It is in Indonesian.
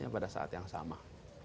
pada saat yang sama